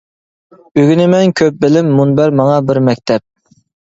ئۆگىنىمەن كۆپ بىلىم، مۇنبەر ماڭا بىر مەكتەپ.